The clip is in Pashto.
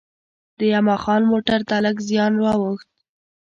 د یما خان موټر ته لږ زیان وا ووښت.